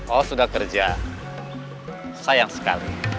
oh sudah kerja sayang sekali